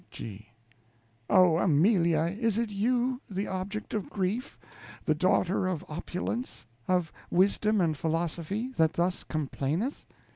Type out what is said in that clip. G. Oh, Amelia, is it you, the object of grief, the daughter of opulence, of wisdom and philosophy, that thus complaineth?